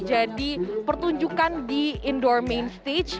jadi pertunjukan di indoor main stage